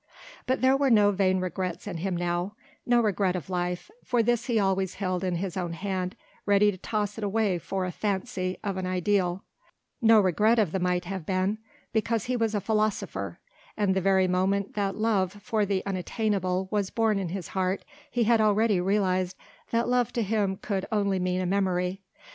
But there were no vain regrets in him now; no regret of life, for this he always held in his own hand ready to toss it away for a fancy or an ideal no regret of the might have been because he was a philosopher, and the very moment that love for the unattainable was born in his heart he had already realized that love to him could only mean a memory.